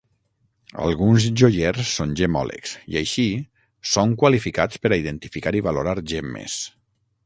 Alguns joiers són Gemmòlegs i així són qualificats per a identificar i valorar gemmes.